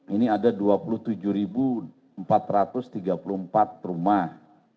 ini ada dua puluh tujuh empat ratus tiga puluh empat rumah